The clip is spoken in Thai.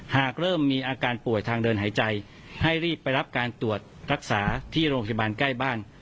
หากเริ่มมีอาการป่วยทางเดินหายใจให้รีบไปรับการตรวจรักษาที่โรงพยาบาลใกล้บ้าน